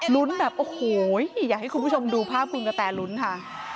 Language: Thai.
แบบโอ้โหอยากให้คุณผู้ชมดูภาพคุณกระแตลุ้นค่ะ